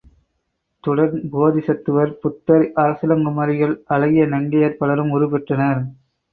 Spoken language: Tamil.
துடன் போதிசத்துவர், புத்தர், அரசிளங்குமரிகள், அழகிய நங்கையர் பலரும் உருப்பெற்றனர்.